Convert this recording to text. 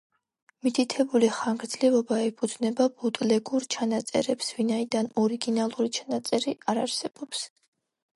მითითებული ხანგრძლივობა ეფუძნება ბუტლეგურ ჩანაწერებს, ვინაიდან ორიგინალური ჩანაწერი არ არსებობს.